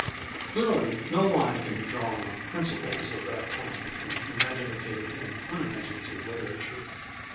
Clearly no line can be drawn on principles of this kind between imaginative and unimaginative literature.